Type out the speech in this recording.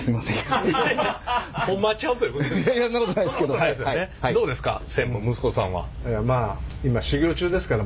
どうですか？